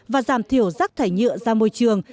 và giảm thiểu rác thải nhựa ra môi trường